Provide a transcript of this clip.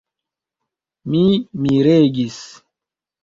Mi miregis.